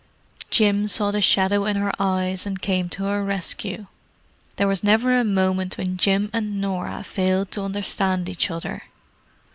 Jim saw the shadow in her eyes and came to her rescue. There was never a moment when Jim and Norah failed to understand each other.